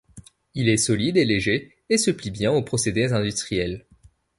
Il est solide et léger et se plie bien aux procédés industriels.